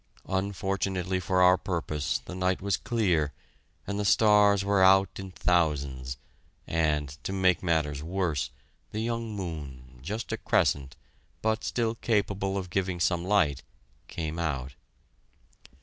Unfortunately for our purpose, the night was clear and the stars were out in thousands, and, to make matters worse, the young moon, just a crescent, but still capable of giving some light, came out.